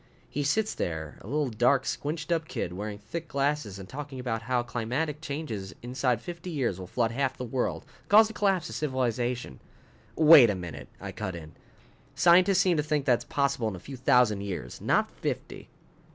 He sits there, a little, dark, squinched up kid wearing thick glasses and talking about how climatic changes inside fifty years will flood half the world, cause the collapse of civilization " "Wait a minute!" I cut in. "Scientists seem to think that's possible in a few thousand years. Not fifty."